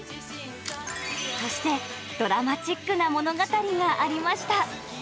そして、ドラマチックな物語がありました。